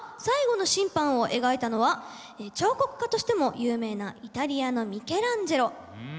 「最後の審判」を描いたのは彫刻家としても有名なイタリアのミケランジェロ。